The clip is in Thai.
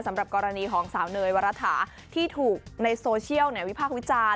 สำหรับกรณีของสาวเนยวรฐาที่ถูกในโซเชียลวิพากษ์วิจารณ์